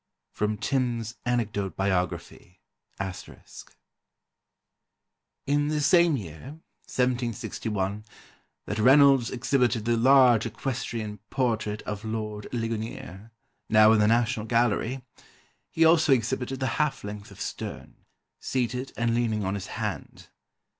[Sidenote: Timbs's Anecdote Biography. *] "In the same year (1761) that Reynolds exhibited the large equestrian portrait of Lord Ligonier, now in the National Gallery, he also exhibited the half length of Sterne, seated, and leaning on his hand.